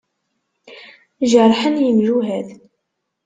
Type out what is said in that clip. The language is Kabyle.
Jerḥen yemjuhad.